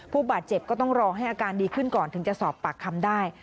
ผู้บาดเจ็บก็ต้องรอให้อาการดีขึ้นก่อนถึงจะสอบปากคำได้